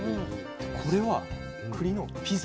これはくりのピザ。